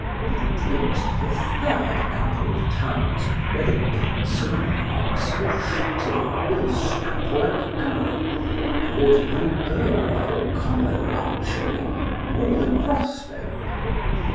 Betwixt the third couple of towers were the butts and marks for shooting with a snapwork gun, an ordinary bow for common archery, or with a crossbow.